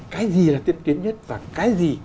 cái gì là tiên tiến nhất và cái gì